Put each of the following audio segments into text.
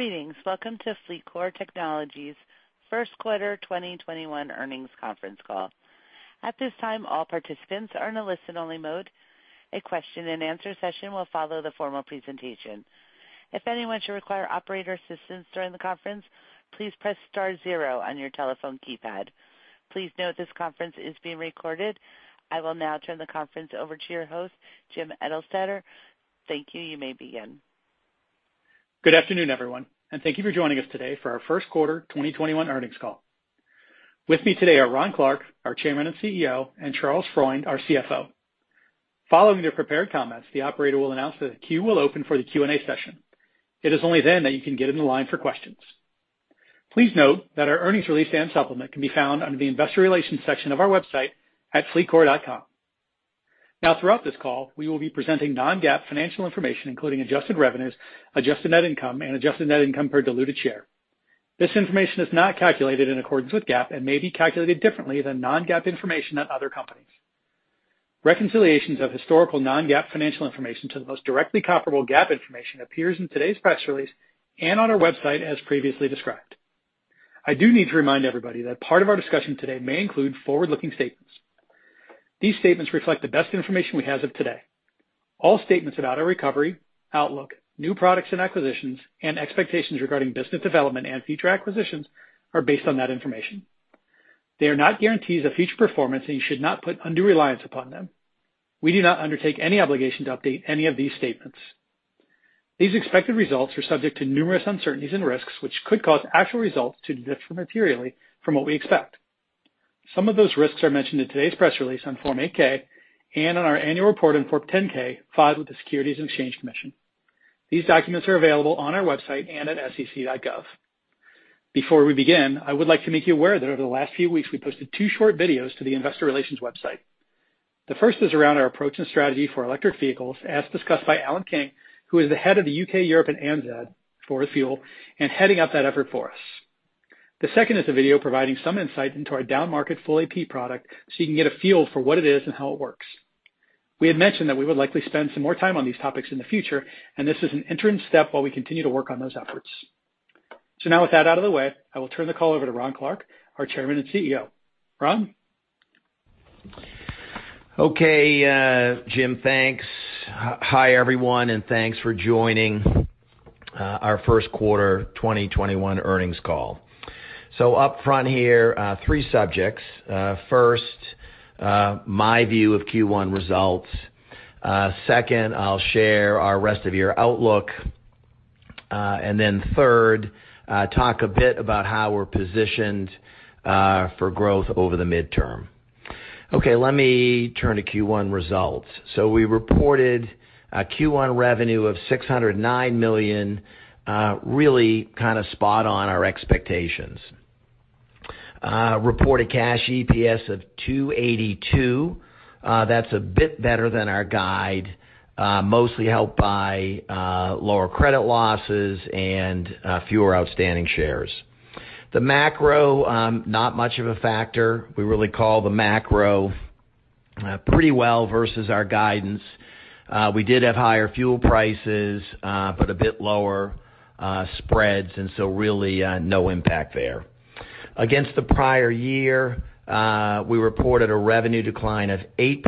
Greetings welcome to FleetCor Technologies first quarter 2021 earnings conference call. At this time our participants are in listen only mode a question and answer session will follow the former presentation. If anyone should require operator assistance during the conference please press star zero on your telephone keypad. Please note this conference is being recorded, I will now turn the conference over to your host, Jim Eglseder. Thank you. You may begin. Good afternoon, everyone, thank you for joining us today for our first quarter 2021 earnings call. With me today are Ron Clarke, our Chairman and CEO, and Charles Freund, our CFO. Following their prepared comments, the operator will announce that the queue will open for the Q&A session. It is only then that you can get in the line for questions. Please note that our earnings release and supplement can be found under the investor relations section of our website at fleetcor.com. Throughout this call, we will be presenting non-GAAP financial information, including adjusted revenues, adjusted net income, and adjusted net income per diluted share. This information is not calculated in accordance with GAAP and may be calculated differently than non-GAAP information at other companies. Reconciliations of historical non-GAAP financial information to the most directly comparable GAAP information appears in today's press release and on our website as previously described. I do need to remind everybody that part of our discussion today may include forward-looking statements. These statements reflect the best information we have as of today. All statements about our recovery, outlook, new products and acquisitions, and expectations regarding business development and future acquisitions are based on that information. They are not guarantees of future performance, and you should not put undue reliance upon them. We do not undertake any obligation to update any of these statements. These expected results are subject to numerous uncertainties and risks, which could cause actual results to differ materially from what we expect. Some of those risks are mentioned in today's press release on Form 8-K and in our annual report on Form 10-K filed with the Securities and Exchange Commission. These documents are available on our website and at sec.gov. Before we begin, I would like to make you aware that over the last two weeks, we posted two short videos to the investor relations website. The first is around our approach and strategy for electric vehicles, as discussed by Alan King, who is the Head of the U.K., Europe, and ANZ for Fuel, and heading up that effort for us. The second is a video providing some insight into our downmarket Full AP product so you can get a feel for what it is and how it works. We had mentioned that we would likely spend some more time on these topics in the future, and this is an interim step while we continue to work on those efforts. Now with that out of the way, I will turn the call over to Ron Clarke, our Chairman and CEO. Ron? Okay, Jim, thanks. Hi, everyone, thanks for joining our first quarter 2021 earnings call. Up front here, three subjects. First, my view of Q1 results. Second, I'll share our rest of year outlook. Third, talk a bit about how we're positioned for growth over the midterm. Okay, let me turn to Q1 results. We reported a Q1 revenue of $609 million, really kind of spot on our expectations. Reported cash EPS of $2.82. That's a bit better than our guide, mostly helped by lower credit losses and fewer outstanding shares. The macro, not much of a factor. We really call the macro pretty well versus our guidance. We did have higher fuel prices, but a bit lower spreads, really no impact there. Against the prior year, we reported a revenue decline of 8%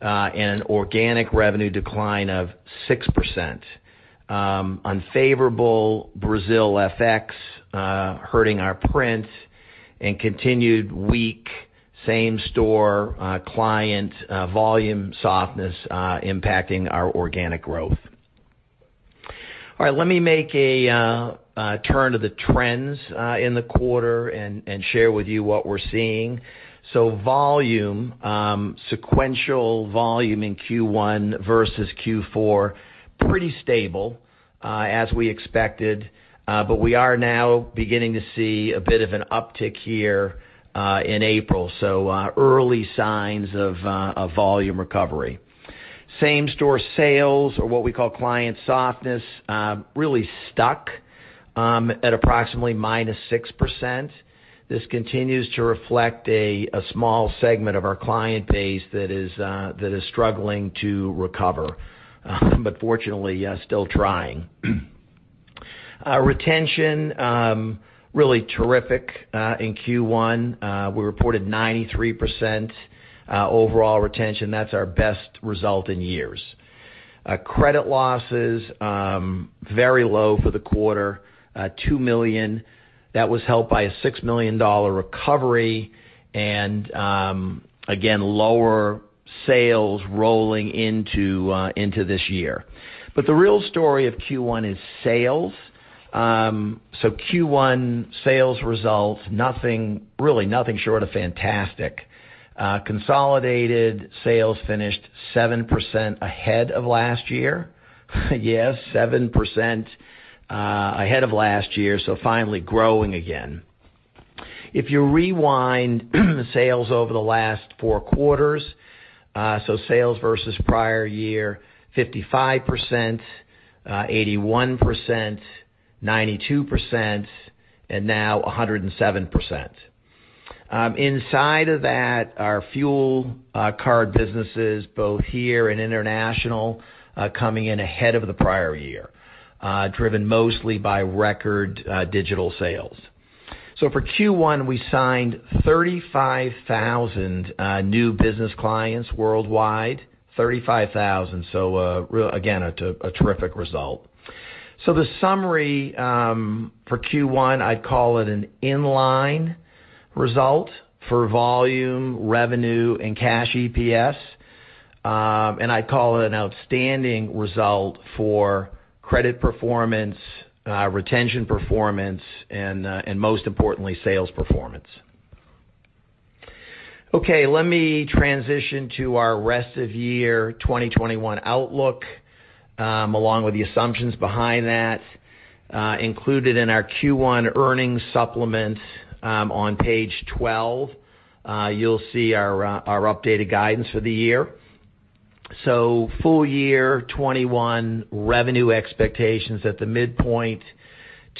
and an organic revenue decline of 6%. Unfavorable Brazil FX hurting our prints, and continued weak same-store client volume softness impacting our organic growth. All right. Let me make a turn to the trends in the quarter and share with you what we're seeing. Volume, sequential volume in Q1 versus Q4, pretty stable as we expected, but we are now beginning to see a bit of an uptick here in April. Early signs of volume recovery. Same-store sales or what we call client softness really stuck at approximately -6%. This continues to reflect a small segment of our client base that is struggling to recover, but fortunately, still trying. Retention, really terrific in Q1. We reported 93% overall retention. That's our best result in years. Credit losses very low for the quarter, $2 million. That was helped by a $6 million recovery and, again, lower sales rolling into this year. The real story of Q1 is sales. Q1 sales results, really nothing short of fantastic. Consolidated sales finished 7% ahead of last year. Yes, 7% ahead of last year, so finally growing again. If you rewind sales over the last four quarters, so sales versus prior year, 55%, 81%, 92%, and now 107%. Inside of that, our fuel card business is both here and international, coming in ahead of the prior year, driven mostly by record digital sales. For Q1, we signed 35,000 new business clients worldwide. 35,000. Again, a terrific result. The summary for Q1, I'd call it an in-line result for volume, revenue, and cash EPS. I'd call it an outstanding result for credit performance, retention performance, and most importantly, sales performance. Let me transition to our rest of year 2021 outlook, along with the assumptions behind that. Included in our Q1 earnings supplement, on page 12, you'll see our updated guidance for the year. Full Year 2021 revenue expectations at the midpoint,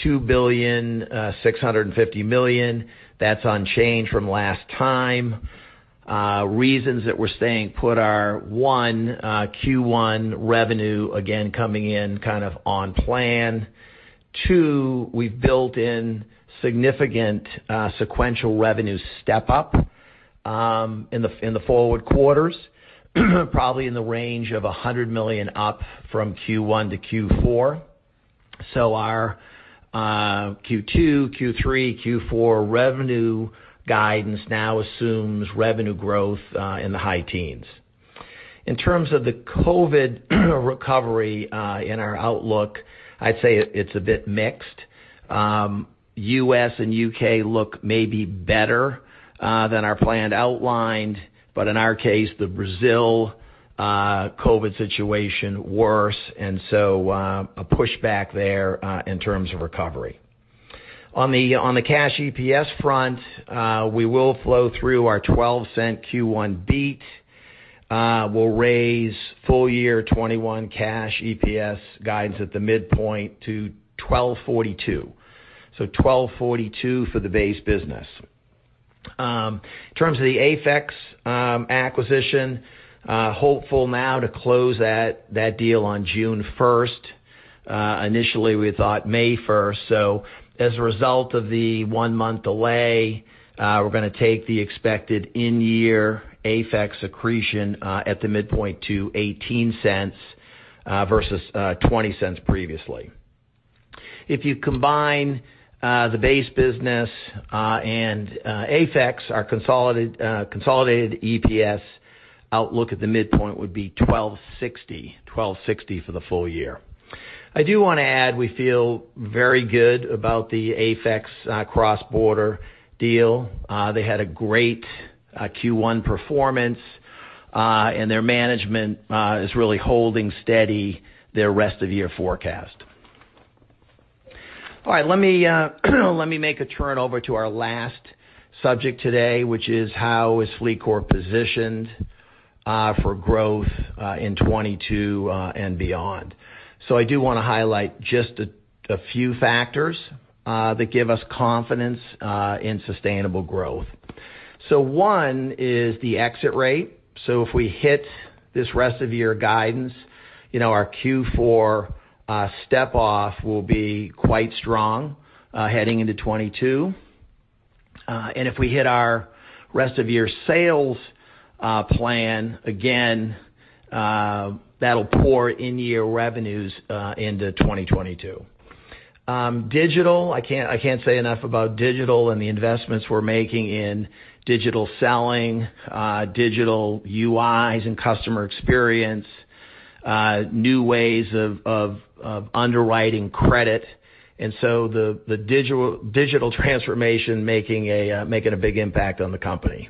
$2.650 billion. That's unchanged from last time. Reasons that we're staying put are, one, Q1 revenue, again, coming in kind of on plan. Two, we've built in significant sequential revenue step-up in the forward quarters, probably in the range of $100 million up from Q1 to Q4. Our Q2, Q3, Q4 revenue guidance now assumes revenue growth in the high teens. In terms of the COVID recovery in our outlook, I'd say it's a bit mixed. U.S. and U.K. look maybe better than our plan outlined, but in our case, the Brazil COVID situation worse, and so a pushback there in terms of recovery. On the cash EPS front, we will flow through our $0.12 Q1 beat. We'll raise Full Year 2021 cash EPS guides at the midpoint to $12.42. $12.42 for the base business. In terms of the AFEX acquisition, hopeful now to close that deal on June 1st. Initially, we thought May 1st. As a result of the one-month delay, we're going to take the expected in-year AFEX accretion at the midpoint to $0.18 versus $0.20 previously. If you combine the base business and AFEX, our consolidated EPS outlook at the midpoint would be $12.60 for the full year. I do want to add, we feel very good about the AFEX cross-border deal. They had a great Q1 performance, and their management is really holding steady their rest of year forecast. All right. Let me make a turn over to our last subject today, which is how is FleetCor positioned for growth in 2022 and beyond. I do want to highlight just a few factors that give us confidence in sustainable growth. One is the exit rate. If we hit this rest of year guidance, our Q4 step-off will be quite strong heading into 2022. If we hit our rest of year sales plan, again, that'll pour in-year revenues into 2022. Digital, I can't say enough about digital and the investments we're making in digital selling, digital UIs, and customer experience, new ways of underwriting credit, the digital transformation making a big impact on the company.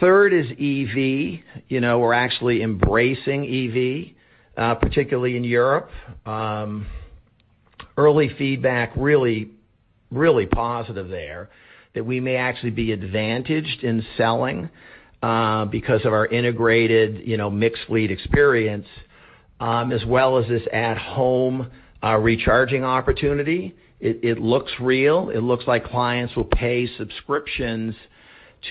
Third is EV. We're actually embracing EV, particularly in Europe. Early feedback really positive there that we may actually be advantaged in selling because of our integrated mixed fleet experience, as well as this at-home recharging opportunity. It looks real. It looks like clients will pay subscriptions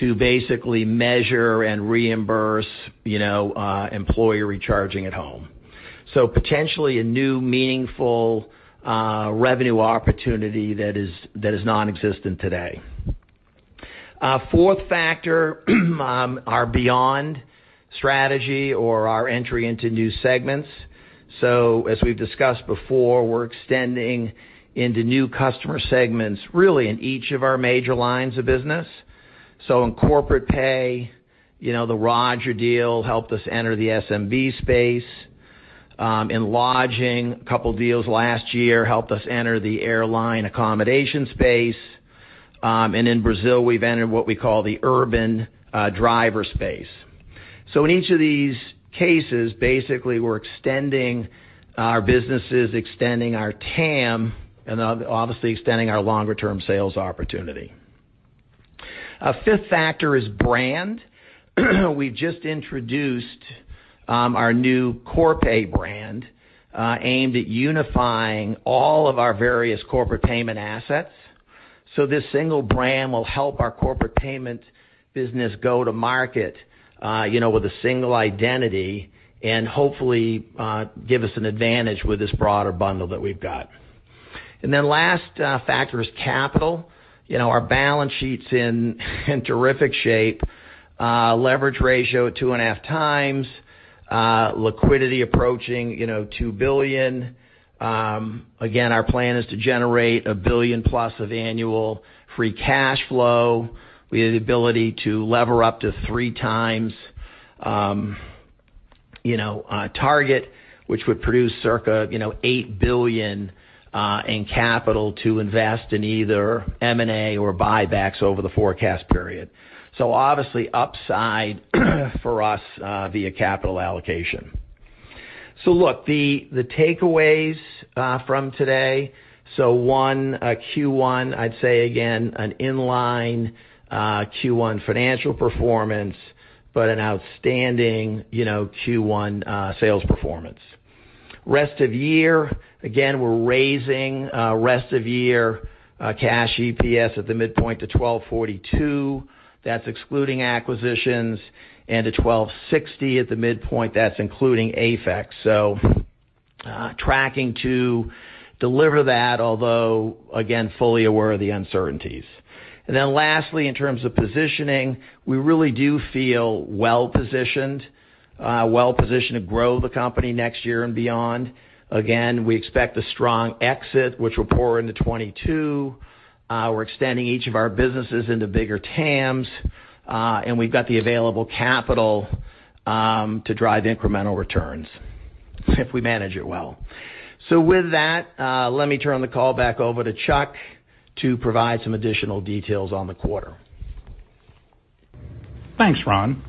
to basically measure and reimburse employee recharging at home. Potentially a new meaningful revenue opportunity that is nonexistent today. Fourth factor, our beyond strategy or our entry into new segments. As we've discussed before, we're extending into new customer segments, really in each of our major lines of business. In Corpay, the Roger deal helped us enter the SMB space. In lodging, a couple deals last year helped us enter the airline accommodation space. In Brazil, we've entered what we call the urban driver space. In each of these cases, basically, we're extending our businesses, extending our TAM, and obviously extending our longer-term sales opportunity. A fifth factor is brand. We've just introduced our new Corpay brand, aimed at unifying all of our various corporate payment assets. This single brand will help our corporate payment business go to market with a single identity and hopefully give us an advantage with this broader bundle that we've got. Last factor is capital. Our balance sheet's in terrific shape. Leverage ratio at 2.5x. Liquidity approaching $2 billion. Again, our plan is to generate a billion-plus of annual free cash flow. We have the ability to lever up to 3x our target, which would produce circa $8 billion in capital to invest in either M&A or buybacks over the forecast period. Obviously upside for us via capital allocation. Look, the takeaways from today. One, Q1, I'd say again, an in-line Q1 financial performance, but an outstanding Q1 sales performance. Rest of year, again, we're raising rest of year cash EPS at the midpoint to $12.42. That's excluding acquisitions. To $12.60 at the midpoint, that's including AFEX. Tracking to deliver that, although again, fully aware of the uncertainties. Lastly, in terms of positioning, we really do feel well-positioned to grow the company next year and beyond. Again, we expect a strong exit, which will pour into 2022. We're extending each of our businesses into bigger TAMs. We've got the available capital to drive incremental returns if we manage it well. With that, let me turn the call back over to Charles to provide some additional details on the quarter. Thanks, Ron.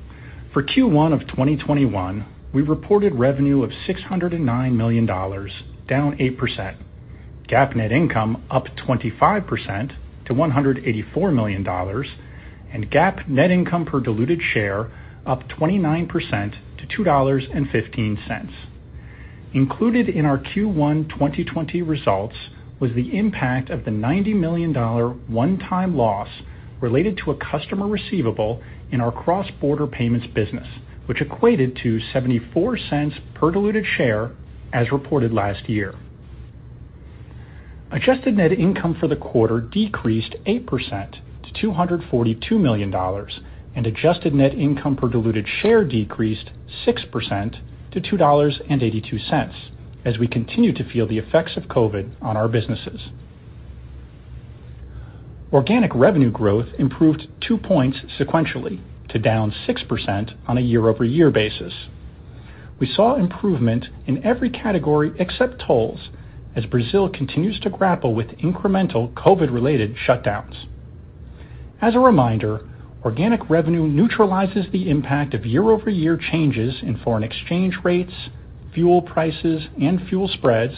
For Q1 of 2021, we reported revenue of $609 million, down 8%. GAAP net income up 25% to $184 million, GAAP net income per diluted share up 29% to $2.15. Included in our Q1 2020 results was the impact of the $90 million one-time loss related to a customer receivable in our cross-border payments business, which equated to $0.74 per diluted share as reported last year. Adjusted net income for the quarter decreased 8% to $242 million, adjusted net income per diluted share decreased 6% to $2.82 as we continue to feel the effects of COVID on our businesses. Organic revenue growth improved two points sequentially to down 6% on a year-over-year basis. We saw improvement in every category except tolls, as Brazil continues to grapple with incremental COVID-related shutdowns. As a reminder, organic revenue neutralizes the impact of year-over-year changes in foreign exchange rates, fuel prices, and fuel spreads,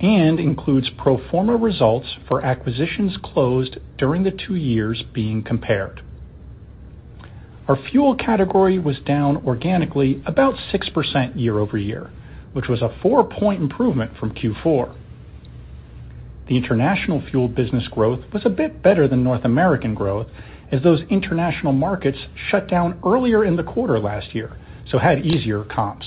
and includes pro forma results for acquisitions closed during the two years being compared. Our fuel category was down organically about 6% year-over-year, which was a four-point improvement from Q4. The international fuel business growth was a bit better than North American growth as those international markets shut down earlier in the quarter last year, so had easier comps.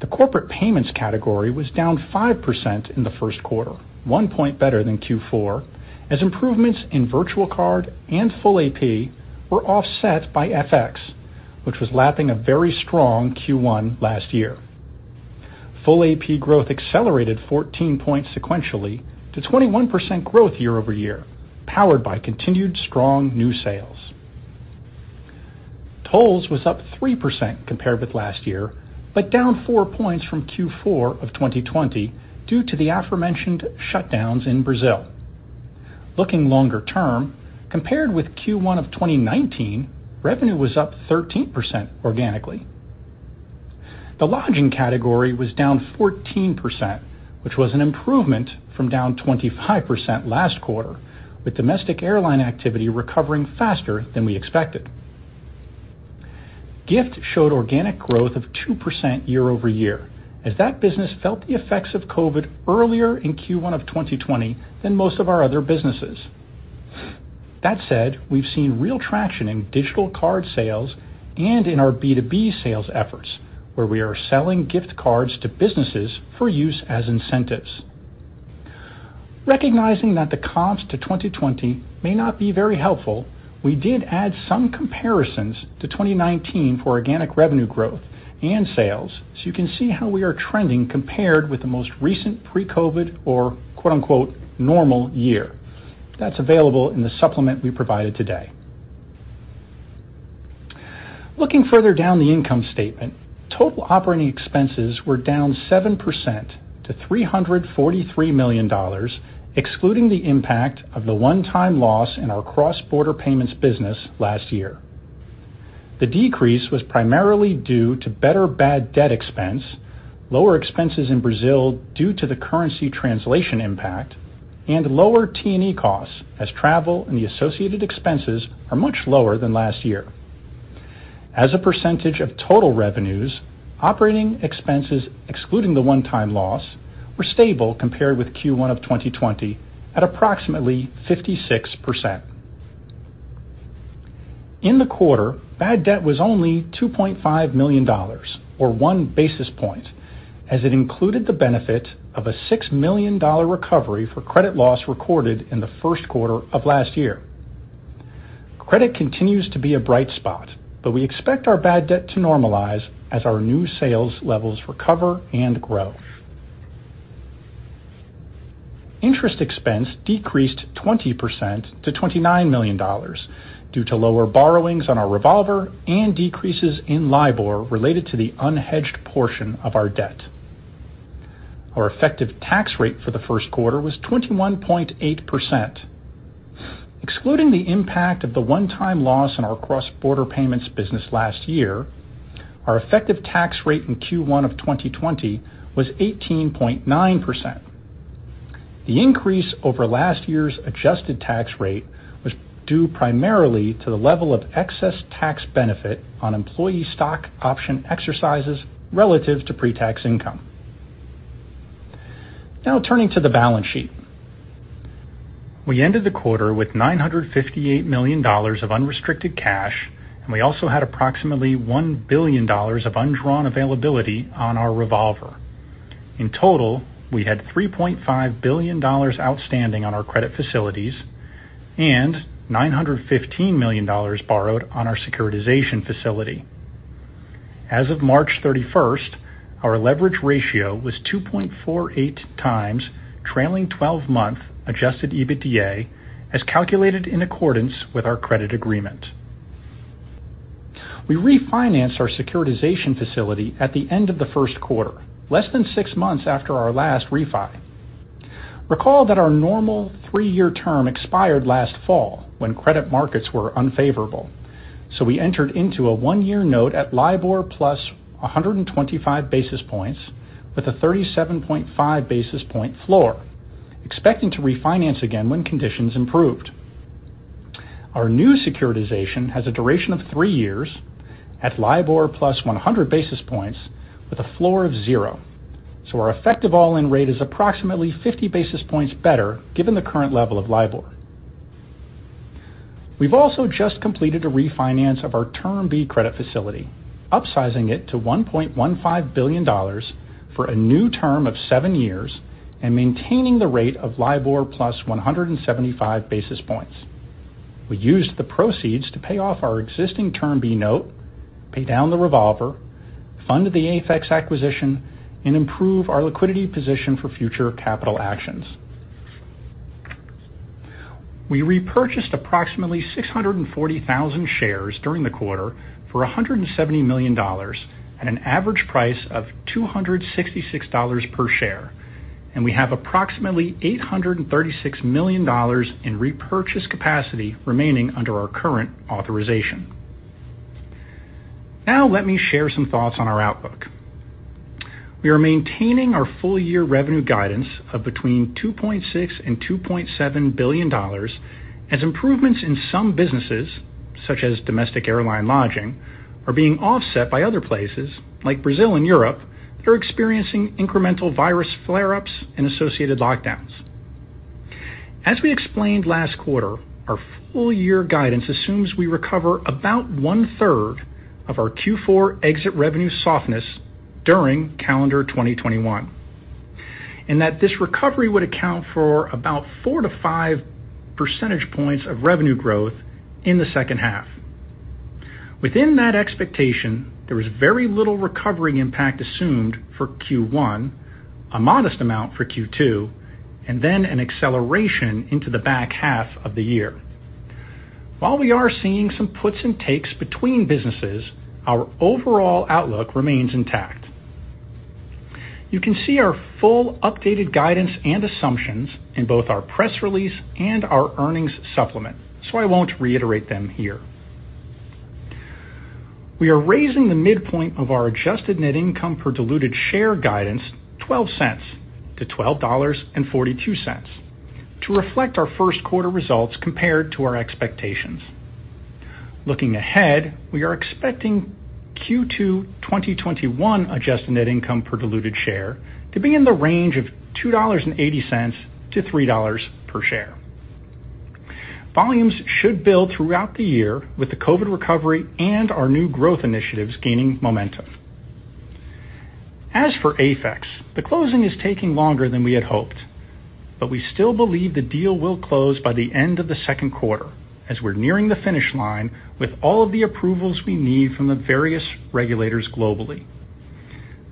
The corporate payments category was down 5% in the first quarter, one point better than Q4, as improvements in virtual card and Full AP were offset by FX, which was lapping a very strong Q1 last year. Full AP growth accelerated 14 points sequentially to 21% growth year-over-year, powered by continued strong new sales. Tolls was up 3% compared with last year, but down four points from Q4 of 2020 due to the aforementioned shutdowns in Brazil. Looking longer term, compared with Q1 of 2019, revenue was up 13% organically. The lodging category was down 14%, which was an improvement from down 25% last quarter, with domestic airline activity recovering faster than we expected. Gift showed organic growth of 2% year-over-year as that business felt the effects of COVID earlier in Q1 of 2020 than most of our other businesses. That said, we've seen real traction in digital card sales and in our B2B sales efforts, where we are selling gift cards to businesses for use as incentives. Recognizing that the comps to 2020 may not be very helpful, we did add some comparisons to 2019 for organic revenue growth and sales so you can see how we are trending compared with the most recent pre-COVID or "normal" year. That's available in the supplement we provided today. Looking further down the income statement, total operating expenses were down 7% to $343 million, excluding the impact of the one-time loss in our cross-border payments business last year. The decrease was primarily due to better bad debt expense, lower expenses in Brazil due to the currency translation impact, and lower T&E costs as travel and the associated expenses are much lower than last year. As a percentage of total revenues, operating expenses excluding the one-time loss were stable compared with Q1 of 2020 at approximately 56%. In the quarter, bad debt was only $2.5 million, or one basis point, as it included the benefit of a $6 million recovery for credit loss recorded in the first quarter of last year. Credit continues to be a bright spot, but we expect our bad debt to normalize as our new sales levels recover and grow. Interest expense decreased 20% to $29 million due to lower borrowings on our revolver and decreases in LIBOR related to the unhedged portion of our debt. Our effective tax rate for the first quarter was 21.8%. Excluding the impact of the one-time loss on our cross-border payments business last year, our effective tax rate in Q1 of 2020 was 18.9%. The increase over last year's adjusted tax rate was due primarily to the level of excess tax benefit on employee stock option exercises relative to pre-tax income. Now turning to the balance sheet. We ended the quarter with $958 million of unrestricted cash, and we also had approximately $1 billion of undrawn availability on our revolver. In total, we had $3.5 billion outstanding on our credit facilities and $915 million borrowed on our securitization facility. As of March 31st, our leverage ratio was 2.48x trailing 12-month adjusted EBITDA as calculated in accordance with our credit agreement. We refinanced our securitization facility at the end of the first quarter, less than six months after our last refi. Recall that our normal three-year term expired last fall when credit markets were unfavorable. We entered into a one-year note at LIBOR plus 125 basis points with a 37.5 basis point floor, expecting to refinance again when conditions improved. Our new securitization has a duration of three years at LIBOR plus 100 basis points with a floor of zero. Our effective all-in rate is approximately 50 basis points better given the current level of LIBOR. We've also just completed a refinance of our Term B credit facility, upsizing it to $1.15 billion for a new term of seven years and maintaining the rate of LIBOR plus 175 basis points. We used the proceeds to pay off our existing Term B note, pay down the revolver, fund the AFEX acquisition, and improve our liquidity position for future capital actions. We repurchased approximately 640,000 shares during the quarter for $170 million at an average price of $266 per share, and we have approximately $836 million in repurchase capacity remaining under our current authorization. Let me share some thoughts on our outlook. We are maintaining our full-year revenue guidance of between $2.6 and $2.7 billion as improvements in some businesses, such as domestic airline lodging, are being offset by other places like Brazil and Europe that are experiencing incremental virus flare-ups and associated lockdowns. As we explained last quarter, our full-year guidance assumes we recover about one-third of our Q4 exit revenue softness during calendar 2021, and that this recovery would account for about four to five percentage points of revenue growth in the second half. Within that expectation, there was very little recovery impact assumed for Q1, a modest amount for Q2, and then an acceleration into the back half of the year. While we are seeing some puts and takes between businesses, our overall outlook remains intact. You can see our full updated guidance and assumptions in both our press release and our earnings supplement, so I won't reiterate them here. We are raising the midpoint of our adjusted net income per diluted share guidance $0.12 -$12.42 to reflect our first quarter results compared to our expectations. Looking ahead, we are expecting Q2 2021 adjusted net income per diluted share to be in the range of $2.80-$3 per share. Volumes should build throughout the year with the COVID recovery and our new growth initiatives gaining momentum. As for AFEX, the closing is taking longer than we had hoped, but we still believe the deal will close by the end of the second quarter as we're nearing the finish line with all of the approvals we need from the various regulators globally.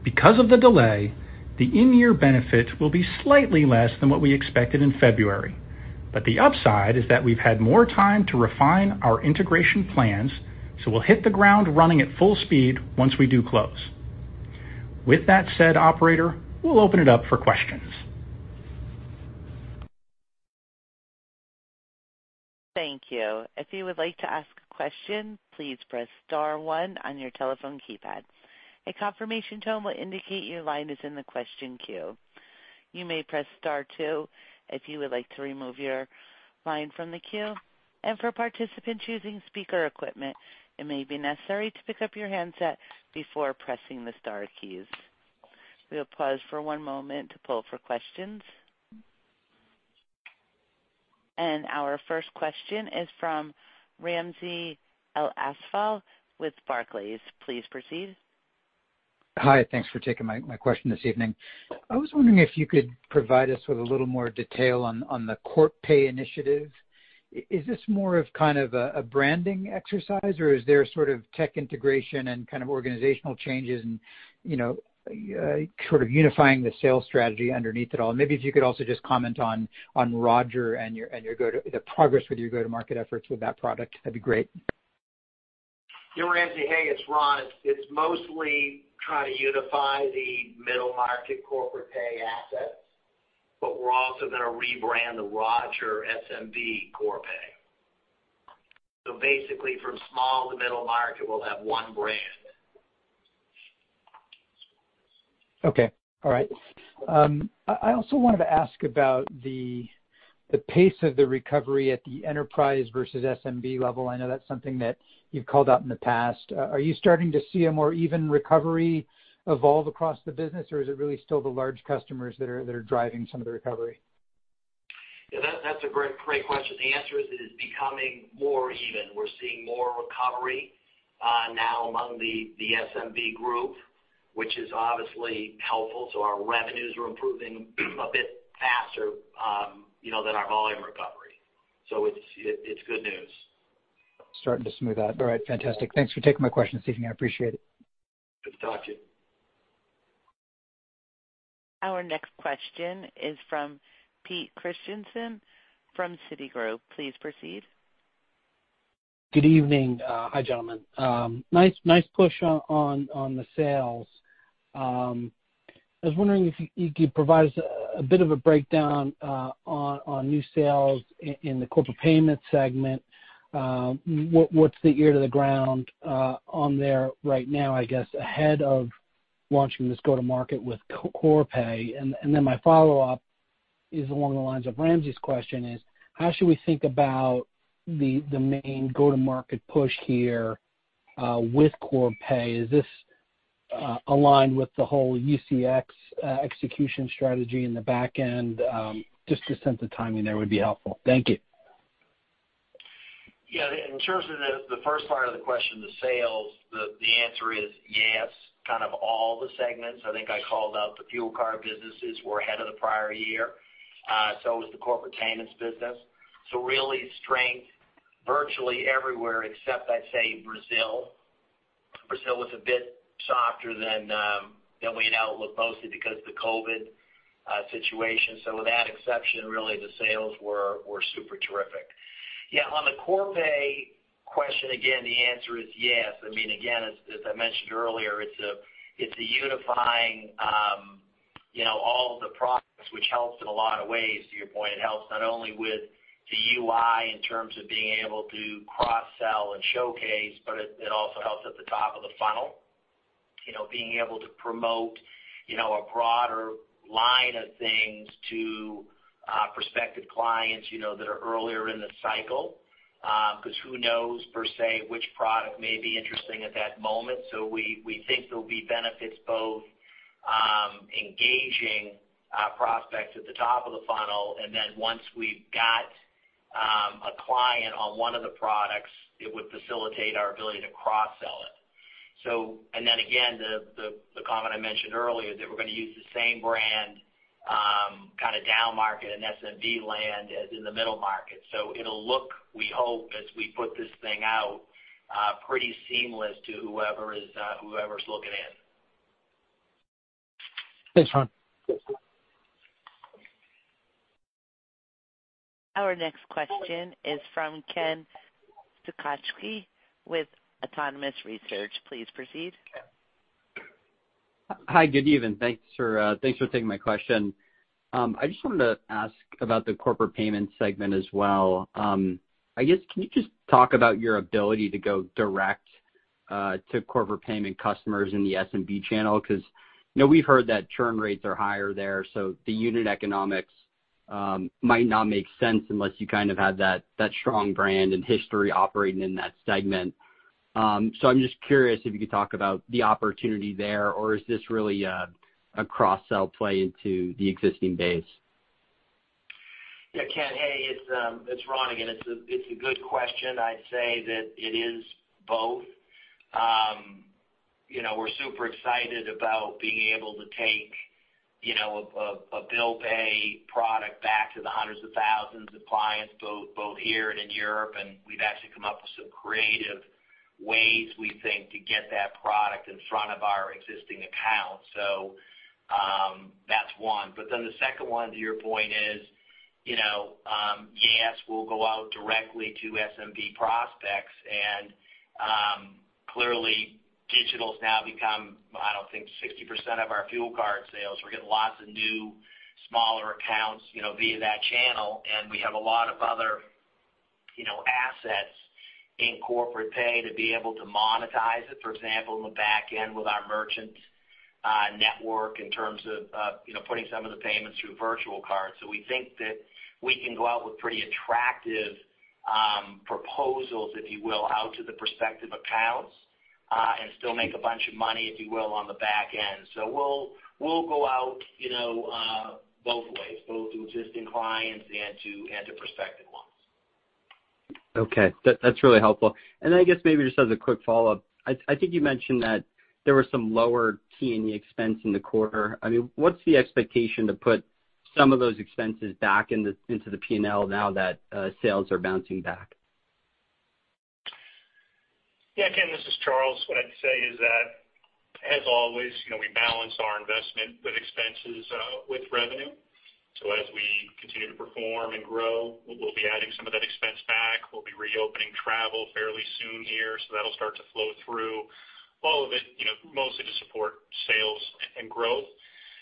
Because of the delay, the in-year benefit will be slightly less than what we expected in February. The upside is that we've had more time to refine our integration plans, so we'll hit the ground running at full speed once we do close. With that said, operator, we'll open it up for questions. Thank you ,if you would like to ask a question please star one on your telephone keypad. The confirmation tone will indicate your line is in the question queue. You may press star two if you would like to remove your line from the queue and for participants using speaker equipments you may raise you handset before pressing the star key we'll pause for one moment for questions Our first question is from Ramsey El-Assal with Barclays. Please proceed. Hi. Thanks for taking my question this evening. I was wondering if you could provide us with a little more detail on the Corpay initiative. Is this more of kind of a branding exercise, or is there sort of tech integration and kind of organizational changes and sort of unifying the sales strategy underneath it all? Maybe if you could also just comment on Roger and the progress with your go-to-market efforts with that product, that'd be great. Yeah, Ramsey. Hey, it's Ron. It's mostly trying to unify the middle-market corporate pay assets. We're also going to rebrand the Roger SMB Corpay. Basically, from small to middle market, we'll have one brand. Okay. All right. I also wanted to ask about the pace of the recovery at the enterprise versus SMB level. I know that's something that you've called out in the past. Are you starting to see a more even recovery evolve across the business, or is it really still the large customers that are driving some of the recovery? Yeah, that's a great question. The answer is, it is becoming more even. We're seeing more recovery now among the SMB group, which is obviously helpful. Our revenues are improving a bit faster than our volume recovery. It's good news. Starting to smooth out. All right, fantastic. Thanks for taking my question this evening. I appreciate it. Good to talk to you. Our next question is from Peter Christiansen from Citigroup. Please proceed. Good evening. Hi, gentlemen. Nice push on the sales. I was wondering if you could provide us a bit of a breakdown on new sales in the corporate payment segment. What's the ear to the ground on there right now, I guess, ahead of launching this go-to-market with Corpay? My follow-up is along the lines of Ramsey's question is, how should we think about the main go-to-market push here with Corpay? Is this aligned with the whole UCX execution strategy in the back end? Just a sense of timing there would be helpful. Thank you. In terms of the first part of the question, the sales, the answer is yes, kind of all the segments. I think I called out the Fuel card businesses were ahead of the prior year. Was the Corporate Payments business. Really strength virtually everywhere except, I'd say, Brazil. Brazil was a bit softer than we had outlook, mostly because of the COVID situation. With that exception, really, the sales were super terrific. On the Corpay question, again, the answer is yes. Again, as I mentioned earlier, it's a unifying all of the products, which helps in a lot of ways, to your point. It helps not only with the UI in terms of being able to cross-sell and showcase, but it also helps at the top of the funnel. Being able to promote a broader line of things to prospective clients that are earlier in the cycle. Who knows, per se, which product may be interesting at that moment. We think there'll be benefits both engaging prospects at the top of the funnel, and then once we've got a client on one of the products, it would facilitate our ability to cross-sell it. Then again, the comment I mentioned earlier that we're going to use the same brand kind of down market in SMB land as in the middle market. It'll look, we hope, as we put this thing out, pretty seamless to whoever's looking in. Thanks, Ron. Our next question is from Ken Suchoski with Autonomous Research. Please proceed. Hi, good evening. Thanks for taking my question. I just wanted to ask about the corporate payment segment as well. I guess, can you just talk about your ability to go direct to corporate payment customers in the SMB channel? We've heard that churn rates are higher there, the unit economics might not make sense unless you kind of have that strong brand and history operating in that segment. I'm just curious if you could talk about the opportunity there, or is this really a cross-sell play into the existing base? Yeah, Ken. Hey, it's Ron again. It's a good question. I'd say that it is both. We're super excited about being able to take a bill pay product back to the hundreds of thousands of clients both here and in Europe, and we've actually come up with some creative ways, we think, to get that product in front of our existing accounts. That's one. The second one, to your point is, yes, we'll go out directly to SMB prospects and clearly digital's now become, I don't think, 60% of our fuel card sales. We're getting lots of new smaller accounts via that channel, and we have a lot of other assets in Corpay to be able to monetize it. For example, on the back end with our merchants network in terms of putting some of the payments through virtual cards. We think that we can go out with pretty attractive proposals, if you will, out to the prospective accounts, and still make a bunch of money, if you will, on the back end. We'll go out both ways, both to existing clients and to prospective ones. Okay. That's really helpful. I guess maybe just as a quick follow-up, I think you mentioned that there were some lower T&E expense in the quarter. What's the expectation to put some of those expenses back into the P&L now that sales are bouncing back? Yeah, Ken, this is Charles. What I'd say is that as always, we balance our investment with expenses with revenue. As we continue to perform and grow, we'll be adding some of that expense back. We'll be reopening travel fairly soon here, so that'll start to flow through all of it, mostly to support sales and growth.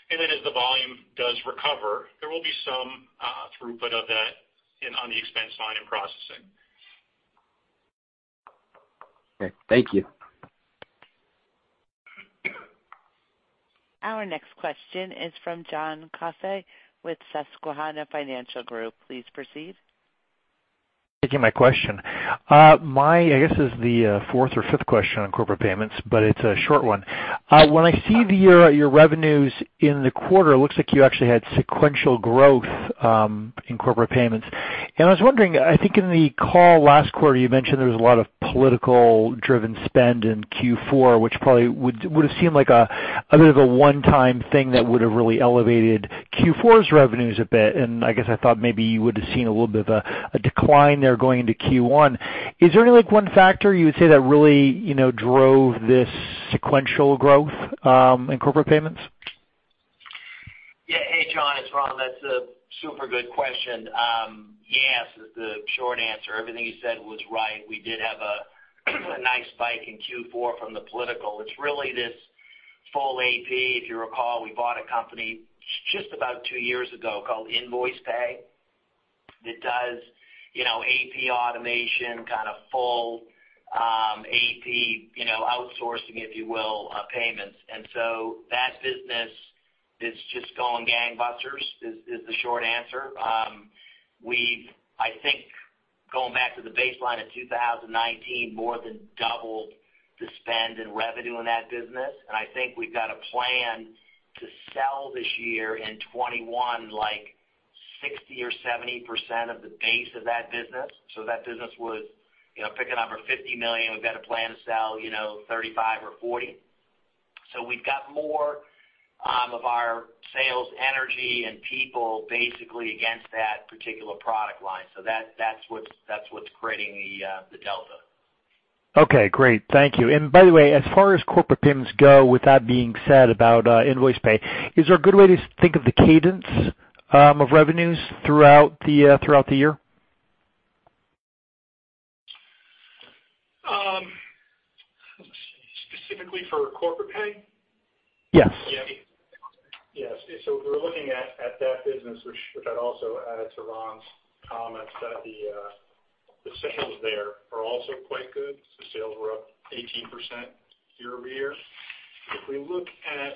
As the volume does recover, there will be some throughput of that on the expense line in processing. Okay. Thank you. Our next question is from John Coffey with Susquehanna Financial Group. Please proceed. Thank you. My question, I guess is the fourth or fifth question on corporate payments. It's a short one. When I see your revenues in the quarter, it looks like you actually had sequential growth in corporate payments. I was wondering, I think in the call last quarter, you mentioned there was a lot of political-driven spend in Q4, which probably would've seemed like a bit of a one-time thing that would've really elevated Q4's revenues a bit. I guess I thought maybe you would've seen a little bit of a decline there going into Q1. Is there any one factor you would say that really drove this sequential growth in corporate payments? Hey, John, it's Ron. That's a super good question. Yes is the short answer. Everything you said was right. We did have a nice spike in Q4 from the political. It's really this Full AP. If you recall, we bought a company just about two years ago called Nvoicepay that does AP automation, kind of Full AP outsourcing, if you will, payments. That business is just going gangbusters, is the short answer. We've, I think, going back to the baseline of 2019, more than doubled the spend and revenue in that business. I think we've got a plan to sell this year in 2021, like 60% or 70% of the base of that business. That business was, pick a number, $50 million. We've got a plan to sell $35 million or $40 million. We've got more of our sales energy and people basically against that particular product line. That's what's creating the delta. Okay, great. Thank you. By the way, as far as corporate payments go, with that being said about Nvoicepay, is there a good way to think of the cadence of revenues throughout the year? Let's see. Specifically for Corpay? Yes. If we're looking at that business, which I'd also add to Ron's comments that the sales there are also quite good. Sales were up 18% year-over-year. If we look at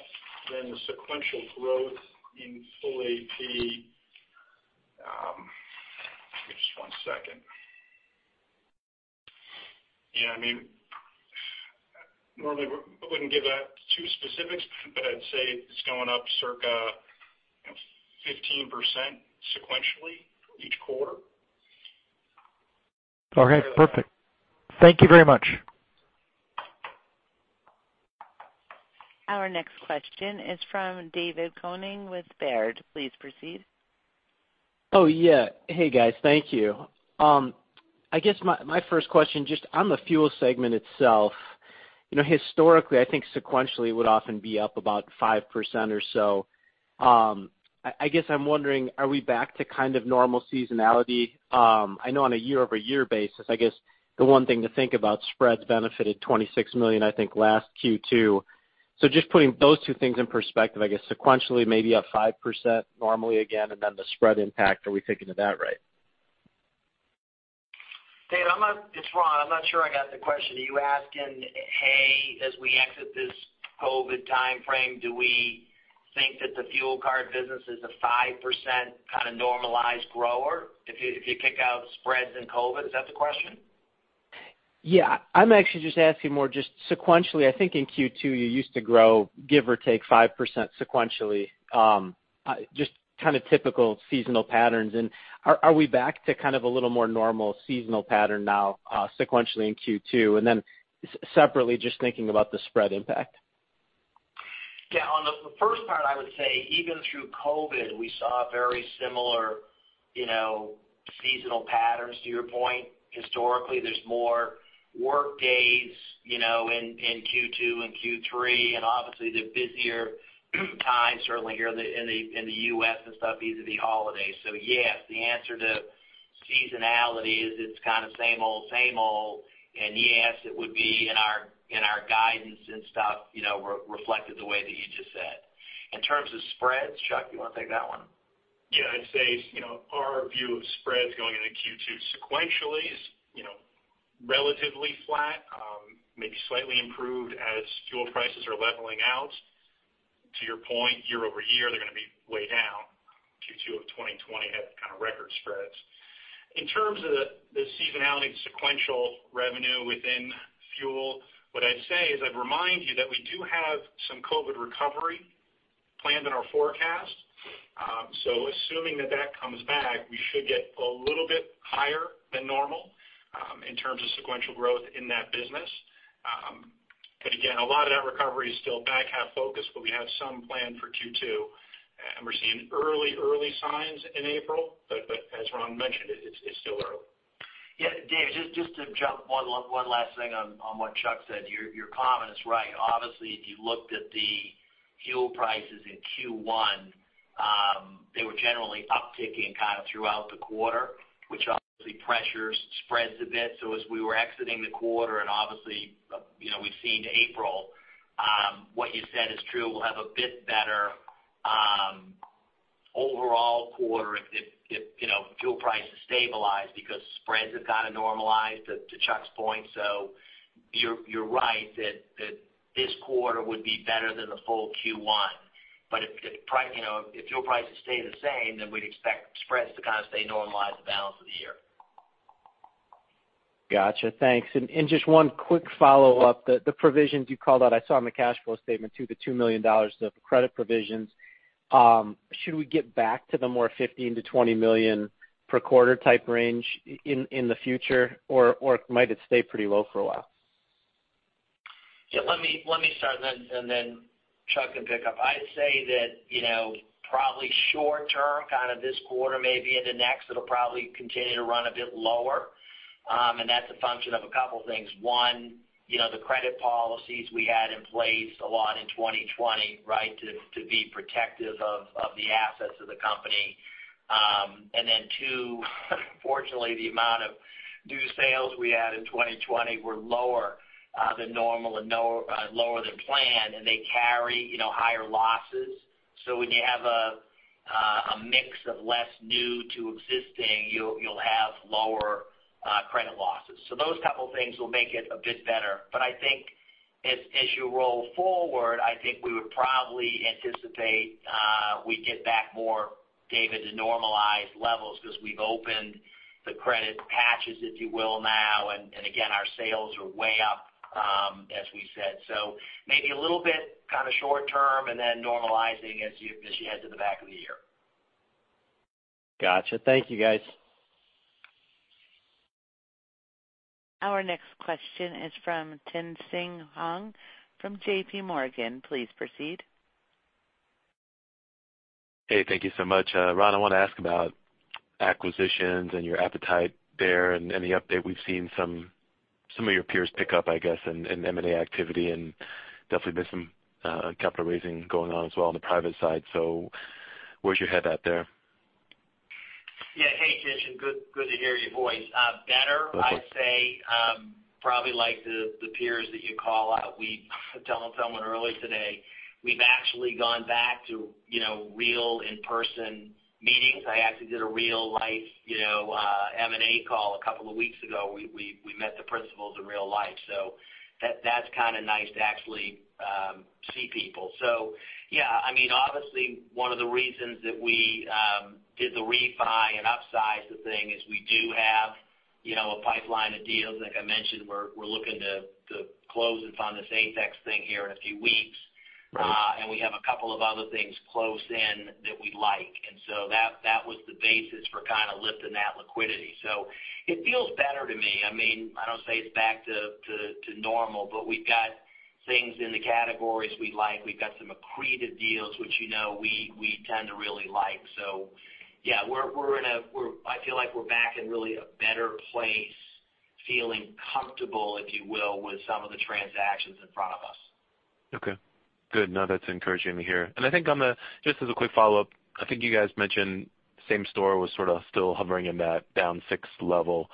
then the sequential growth in Full AP, give me just one second. Normally we wouldn't give out too specifics, but I'd say it's going up circa 15% sequentially each quarter. Okay, perfect. Thank you very much. Our next question is from David Koning with Baird. Please proceed. Oh, yeah. Hey, guys. Thank you. I guess my first question, just on the fuel segment itself, historically, I think sequentially it would often be up about 5% or so. I guess I'm wondering, are we back to kind of normal seasonality? I know on a year-over-year basis, I guess the one thing to think about, spreads benefited $26 million, I think, last Q2. Just putting those two things in perspective, I guess sequentially, maybe up 5% normally again, and then the spread impact. Are we thinking of that right? David, it's Ron. I'm not sure I got the question. Are you asking, hey, as we exit this COVID timeframe, do we think that the fuel card business is a 5% kind of normalized grower if you kick out spreads and COVID? Is that the question? Yeah. I'm actually just asking more just sequentially. I think in Q2, you used to grow, give or take 5% sequentially. Just kind of typical seasonal patterns. Are we back to kind of a little more normal seasonal pattern now sequentially in Q2? Separately, just thinking about the spread impact. Yeah. On the first part, I would say even through COVID, we saw very similar seasonal patterns to your point. Historically, there's more workdays in Q2 and Q3, and obviously the busier time certainly here in the U.S. and stuff, vis-a-vis holidays. Yes, the answer to seasonality is it's kind of same old, same old, and yes, it would be in our guidance and stuff reflected the way that you just said. In terms of spreads, Charles, you want to take that one? I'd say, our view of spreads going into Q2 sequentially is relatively flat, maybe slightly improved as fuel prices are leveling out. To your point, year-over-year, they're going to be way down. Q2 of 2020 had kind of record spreads. In terms of the seasonality sequential revenue within fuel, what I'd say is I'd remind you that we do have some COVID recovery planned in our forecast. Assuming that that comes back, we should get a little bit higher than normal, in terms of sequential growth in that business. Again, a lot of that recovery is still back half focused, but we have some planned for Q2, and we're seeing early signs in April. As Ron mentioned, it's still early. Dave, just to jump one last thing on what Charles said. Your comment is right. Obviously, if you looked at the fuel prices in Q1, they were generally upticking kind of throughout the quarter, which obviously pressures spreads a bit. As we were exiting the quarter, and obviously, we've seen April, what you said is true. We'll have a bit better overall quarter if fuel prices stabilize because spreads have kind of normalized, to Chuck's point. You're right that this quarter would be better than the full Q1. If fuel prices stay the same, then we'd expect spreads to kind of stay normalized the balance of the year. Got you. Thanks. Just one quick follow-up. The provisions you called out, I saw in the cash flow statement too, the $2 million of credit provisions. Should we get back to the more $15million - $20 million per quarter type range in the future, or might it stay pretty low for a while? Yeah, let me start and then Charles can pick up. I'd say that probably short term, kind of this quarter, maybe into next, it'll probably continue to run a bit lower. That's a function of a couple things. One, the credit policies we had in place a lot in 2020, to be protective of the assets of the company. Two, unfortunately, the amount of new sales we had in 2020 were lower than normal and lower than planned. They carry higher losses. When you have a mix of less new to existing, you'll have lower credit losses. Those couple things will make it a bit better. I think as you roll forward, I think we would probably anticipate we get back more, David, to normalized levels because we've opened the credit patches, if you will, now, and again, our sales are way up, as we said. Maybe a little bit kind of short term and then normalizing as you head to the back of the year. Got you. Thank you, guys. Our next question is from Tien-Tsin Huang from JPMorgan. Please proceed. Hey, thank you so much. Ron, I want to ask about acquisitions and your appetite there and any update. We've seen some of your peers pick up, I guess, in M&A activity and definitely been some capital raising going on as well on the private side. Where's your head at there? Hey, Tsin. Good to hear your voice. Better, I'd say. Probably like the peers that you call out. I was telling someone earlier today, we've actually gone back to real in-person meetings. I actually did a real life M&A call a couple of weeks ago. We met the principals in real life, that's kind of nice to actually see people. Obviously, one of the reasons that we did the refi and upsize the thing is we do have a pipeline of deals. Like I mentioned, we're looking to close and fund this AFEX thing here in a few weeks. Right. We have a couple of other things close in that we like. That was the basis for kind of lifting that liquidity. It feels better to me. I don't say it's back to normal, but we've got things in the categories we like. We've got some accretive deals, which you know we tend to really like. Yeah, I feel like we're back in really a better place, feeling comfortable, if you will, with some of the transactions in front of us. Okay. Good. No, that's encouraging to hear. I think just as a quick follow-up, I think you guys mentioned same store was sort of still hovering in that down 6% level.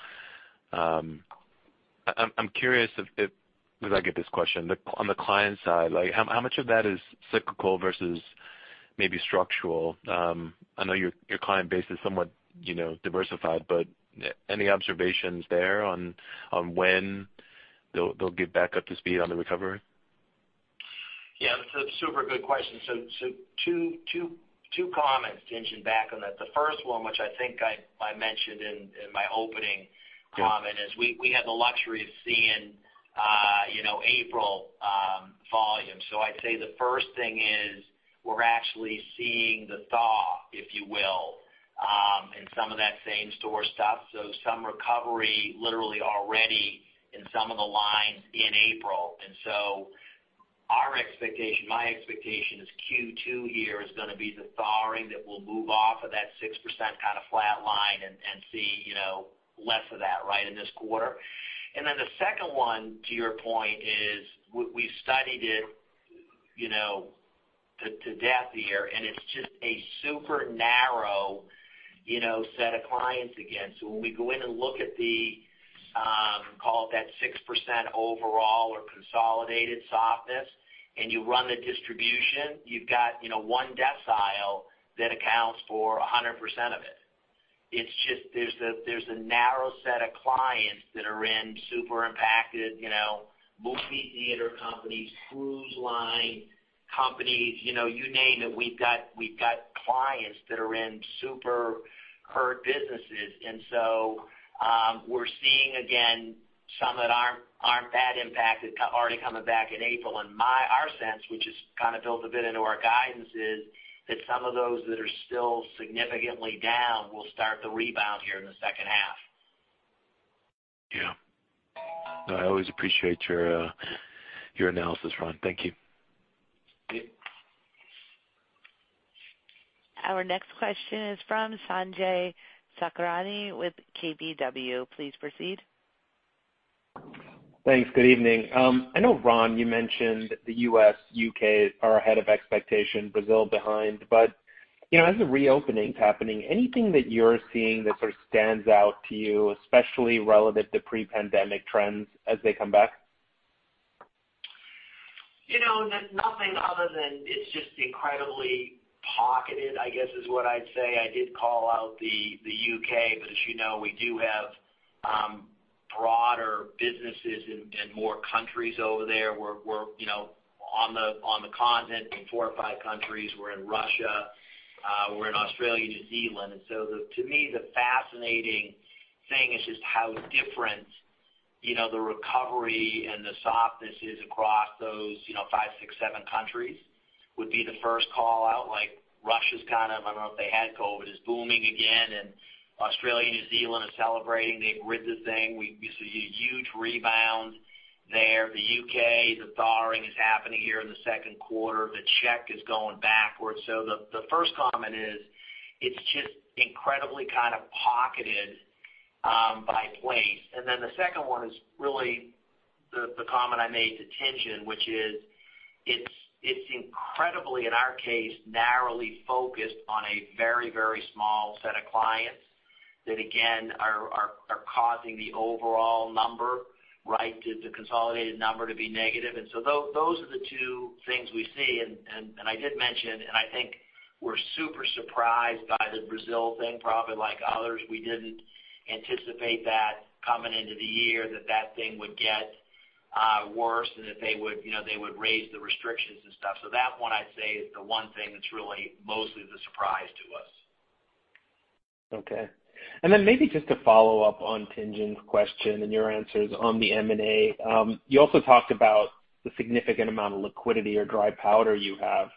I'm curious if, because I get this question, on the client side, how much of that is cyclical versus maybe structural? I know your client base is somewhat diversified, any observations there on when they'll get back up to speed on the recovery? Yeah. Super good question. Two comments to inch back on that. The first one, which I think I mentioned in my opening comment, Yeah ....is we had the luxury of seeing April volumes. I'd say the first thing is we're actually seeing the thaw, if you will, in some of that same store stuff. Some recovery literally already in some of the lines in April. Our expectation, my expectation, is Q2 here is going to be the thawing that will move off of that 6% kind of flat line and see less of that right in this quarter. Then the second one, to your point, is we studied it to death here, and it's just a super narrow set of clients again. When we go in and look at the, call it that 6% overall or consolidated softness, and you run the distribution, you've got one decile that accounts for 100% of it. There's a narrow set of clients that are in super impacted, movie theater companies, cruise line companies, you name it. We've got clients that are in super hurt businesses. We're seeing, again, some that aren't that impacted already coming back in April. Our sense, which is kind of built a bit into our guidance, is that some of those that are still significantly down will start to rebound here in the second half. Yeah. I always appreciate your analysis, Ron. Thank you. Yep. Our next question is from Sanjay Sakhrani with KBW. Please proceed. Thanks. Good evening. I know, Ron, you mentioned the U.S., U.K. are ahead of expectation, Brazil behind. As the reopening's happening, anything that you're seeing that sort of stands out to you, especially relevant to pre-pandemic trends as they come back? Nothing other than it's just incredibly pocketed, I guess, is what I'd say. I did call out the U.K., but as you know, we do have broader businesses in more countries over there. We're on the continent in four or five countries. We're in Russia. We're in Australia, New Zealand. To me, the fascinating thing is just how different the recovery and the softness is across those five, six, seven countries, would be the first call-out. Russia's kind of, I don't know if they had COVID, is booming again, and Australia, New Zealand is celebrating. They've rid the thing. We see a huge rebound there. The U.K., the thawing is happening here in the second quarter. The Czech is going backwards. The first comment is, it's just incredibly kind of pocketed by place. The second one is really the comment I made to Tien-Tsin, which is, it's incredibly, in our case, narrowly focused on a very, very small set of clients that, again, are causing the overall number, the consolidated number to be negative. Those are the two things we see. I did mention, and I think we're super surprised by the Brazil thing, probably like others. We didn't anticipate that coming into the year that that thing would get worse and that they would raise the restrictions and stuff. That one, I'd say, is the one thing that's really mostly the surprise to us. Okay. Then maybe just to follow up on Tien-Tsin's question and your answers on the M&A. You also talked about the significant amount of liquidity or dry powder you have.